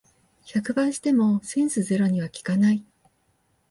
百倍してもセンスゼロには効かない